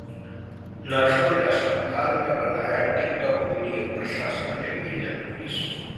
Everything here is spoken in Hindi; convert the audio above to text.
नर्सों ने अस्पताल में बनाया टिक टॉक वीडियो, प्रशासन ने भेजा नोटिस